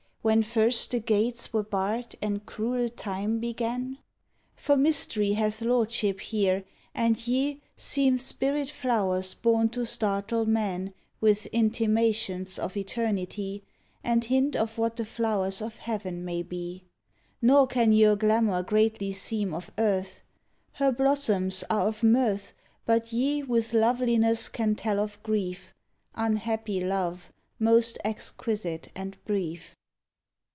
When first the gates were barred And cruel Time began ^ For mystery hath lordship here, and ye Seem spirit flowers bom to startle man With intimations of eternity And hint of what the flowers of Heaven may be. Nor can your glamour greatly seem of earth: Her blossoms are of mirth. But ye with loveliness can tell of grief — Unhappy love most exquisite and brief.